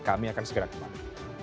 kami akan segera kembali